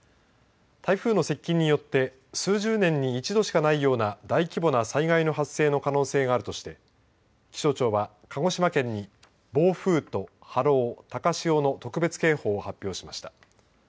台風の接近によって数十年に一度しかないような大規模な災害の発生の可能性があるとして気象庁は鹿児島県に暴風と波浪高潮の特別警報を発表しました。